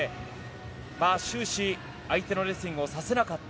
終始、相手のレスリングをさせなかった。